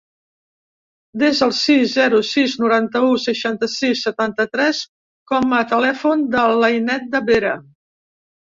Desa el sis, zero, sis, noranta-u, seixanta-sis, setanta-tres com a telèfon de l'Ainet De Vera.